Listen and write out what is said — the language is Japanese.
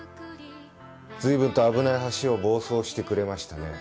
随分と危ない橋を暴走してくれましたね。